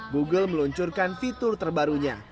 google meluncurkan fitur terbarunya